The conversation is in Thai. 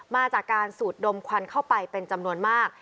มาจากการสูดดมควันเข้าไปเป็นจำนวนมาก